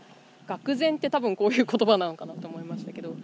がく然って多分こういう言葉なのかなと思いましたけど。